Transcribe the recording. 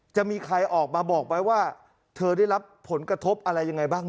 จะมีใครออกมาบอกไหมว่าเธอได้รับผลกระทบอะไรยังไงบ้าง